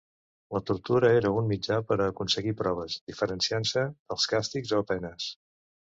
La tortura era un mitjà per a aconseguir proves, diferenciant-se dels càstigs o penes.